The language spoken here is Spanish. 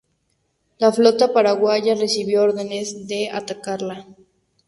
La flota paraguaya recibió órdenes de atacarla.